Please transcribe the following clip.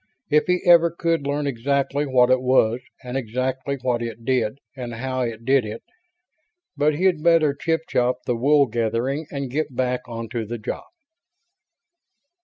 If he ever could learn exactly what it was and exactly what it did and how it did it ... but he'd better chip chop the wool gathering and get back onto the job.